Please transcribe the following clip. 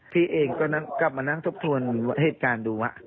พี่เองก็กลับมานั่งทบทวนเหตุการณ์ดูว่า